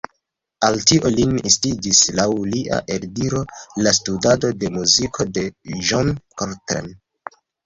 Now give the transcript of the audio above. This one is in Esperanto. Al tio lin instigis laŭ lia eldiro la studado de muziko de John Coltrane.